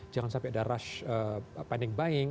jangan sampai ada rush panic buying